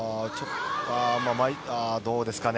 どうですかね？